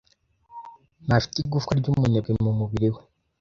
Ntafite igufwa ryumunebwe mumubiri we.